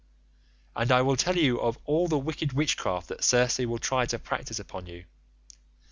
"'And I will tell you of all the wicked witchcraft that Circe will try to practice upon you.